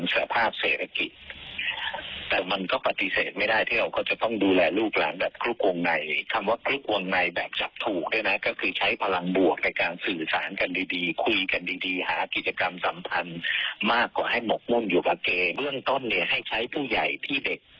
ให้หมกมุ่งอยู่ประเกตเบื้องต้นให้ใช้ผู้ใหญ่พี่เด็ก